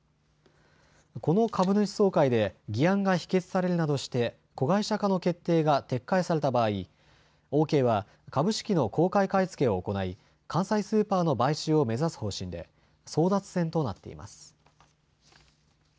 この株主総会で議案が否決されるなどして子会社化の決定が撤回された場合、オーケーは株式の公開買い付けを行い、関西スーパーの買収を目指す方針で争奪戦となっています。